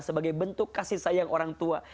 sebagai bentuk kasih sayang orang tua